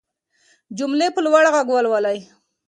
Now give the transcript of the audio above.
جملې په لوړ غږ ولولئ.